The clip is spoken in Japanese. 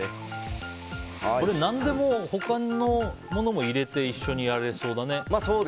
これ何でも他のものも入れて一緒にやれそうだね。